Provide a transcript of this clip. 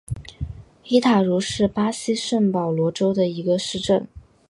伊塔茹是巴西圣保罗州的一个市镇。